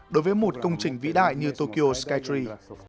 đối với một công trình vĩ đại như tokyo skytri